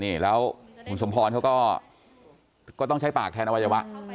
นี่แล้วคุณสมพรเขาก็ต้องใช้ปากแทนอวัยวะ